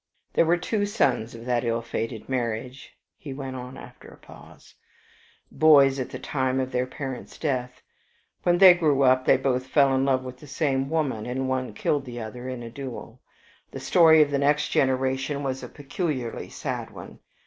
"There were two sons of that ill fated marriage," he went on after a pause, "boys at the time of their parents' death. When they grew up they both fell in love with the same woman, and one killed the other in a duel. The story of the next generation was a peculiarly sad one.